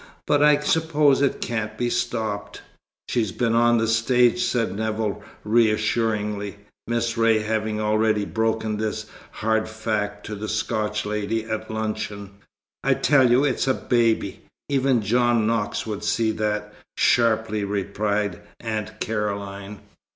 But I suppose it can't be stopped." "She's been on the stage," said Nevill reassuringly, Miss Ray having already broken this hard fact to the Scotch lady at luncheon. "I tell you it's a baby! Even John Knox would see that," sharply replied Aunt Caroline.